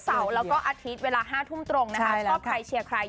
แล้วก็อาทิตย์เวลา๕ทุ่มตรงชอบใครเชียร์ใคร